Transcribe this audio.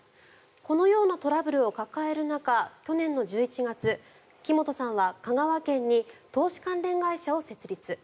このようなトラブルを抱える中去年の１１月木本さんは香川県に投資関連会社を設立。